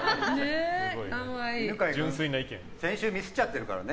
犬飼君最終ミスっちゃってるからね。